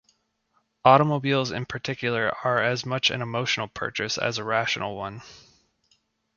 Automobiles in particular are as much an emotional purchase as a rational one.